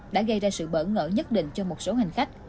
đã gây ra sự bỡ ngỡ nhất định cho một số hành khách